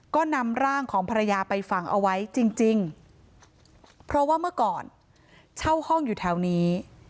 ก็นำร่างของภรรยาไปฝังเอาไว้จริงเพราะว่าเมื่อก่อนเช่าห้องอยู่แถวนี้